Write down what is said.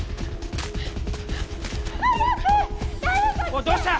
おいどうした？